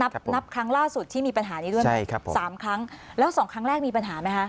นับนับครั้งล่าสุดที่มีปัญหานี้ด้วยใช่ครับผมสามครั้งแล้วสองครั้งแรกมีปัญหาไหมคะ